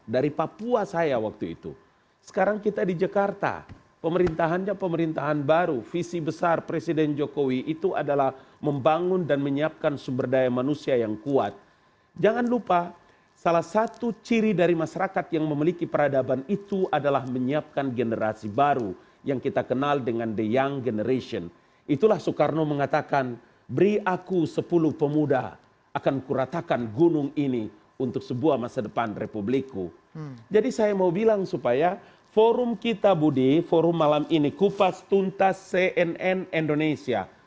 dan apakah betul hal hal itu akan membatalkan demokrasi